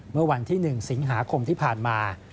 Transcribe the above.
เมื่อวันที่๑สิงหาคมที่ผ่านมา